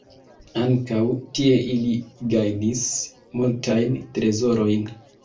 Ankaŭ tie ili gajnis multajn trezorojn.